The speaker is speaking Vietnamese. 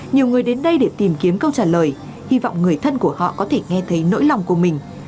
nhiều người đến đây để tìm kiếm câu trả lời hy vọng người thân của họ có thể nghe thấy nỗi lòng của mình